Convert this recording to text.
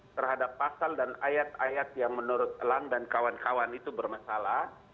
terhadap pasal dan ayat ayat yang menurut elang dan kawan kawan itu bermasalah